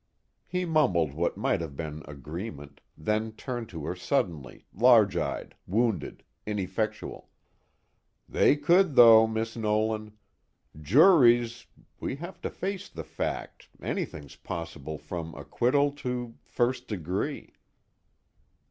He mumbled what might have been agreement, then turned to her suddenly, large eyed, wounded, ineffectual. "They could though, Miss Nolan. Juries ... we have to face the fact, anything's possible from acquittal to first degree.